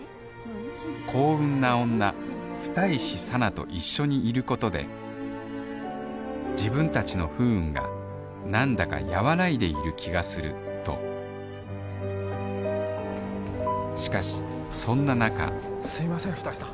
幸運な女二石紗菜と一緒にいることで自分たちの不運がなんだか和らいでいる気がするとしかしそんな中すいません二石さん